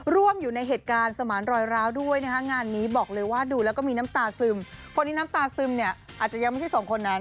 ร่วมอยู่ในเหตุการณ์สมานรอยร้าวด้วยนะคะงานนี้บอกเลยว่าดูแล้วก็มีน้ำตาซึมคนที่น้ำตาซึมเนี่ยอาจจะยังไม่ใช่สองคนนั้น